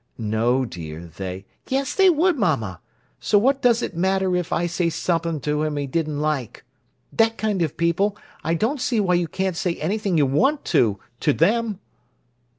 "No, dear, they—" "Yes, they would, mamma! So what does it matter if I did say somep'm' to him he didn't like? That kind o' people, I don't see why you can't say anything you want to, to 'em!"